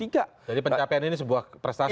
jadi pencapaian ini sebuah prestasi